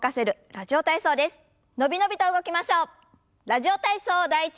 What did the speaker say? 「ラジオ体操第１」。